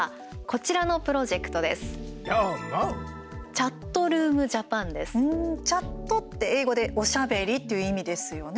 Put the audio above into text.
チャットって英語でおしゃべりという意味ですよね。